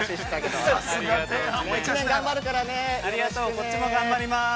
◆こっちも頑張ります。